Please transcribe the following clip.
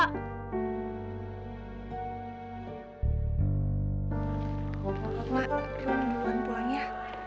mak aku mau pulang ya